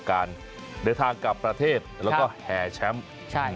การเดินทางกลับประเทศแล้วก็เชี้ย